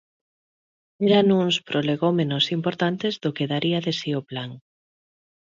Eran uns prolegómenos importantes do que daría de si o plan.